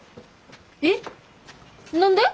えっ？何で？